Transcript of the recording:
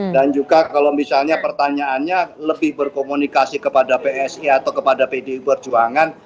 dan juga kalau misalnya pertanyaannya lebih berkomunikasi kepada psi atau kepada pdi perjuangan